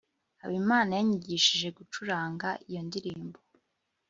habimana yanyigishije gucuranga iyo ndirimbo